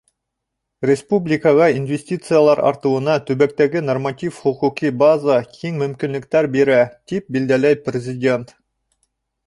Республикаға инвестициялар артыуына төбәктәге норматив-хоҡуҡи база киң мөмкинлектәр бирә, тип билдәләй Президент.